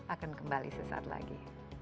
akan kembali sesaat lagi